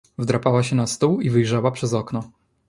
Wdrapała się na stół i wyjrzała przez okno.